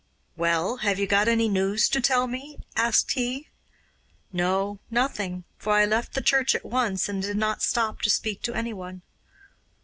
'Well, have you got any news to tell me?' asked he. 'No, nothing; for I left the church at once, and did not stop to speak to anyone.